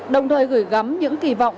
đồng thời gửi gắm những kỳ vọng